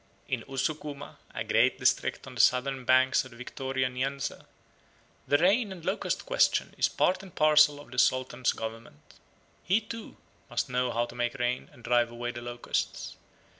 In Ussukuma, a great district on the southern bank of the Victoria Nyanza, "the rain and locust question is part and parcel of the Sultan's government. He, too, must know how to make rain and drive away the locusts.